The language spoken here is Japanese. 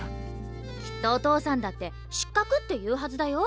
きっとお父さんだって失格って言うはずだよ。